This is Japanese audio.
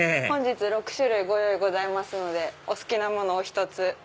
本日６種類ご用意ございますのでお好きなものお１つ。